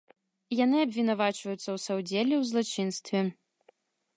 Яны абвінавачваюцца ў саўдзеле ў злачынстве.